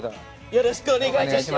よろしくお願いします。